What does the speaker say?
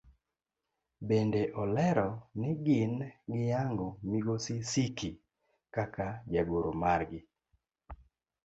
Bende olero ni gin giyango migosi Siki kaka jagoro margi.